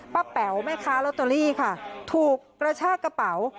แป๋วแม่ค้าลอตเตอรี่ค่ะถูกกระชากระเป๋า